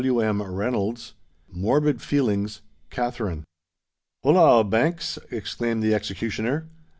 CHAPTER CXLIII. MORBID FEELINGS.—KATHERINE. "Holloa, Banks!" exclaimed the executioner.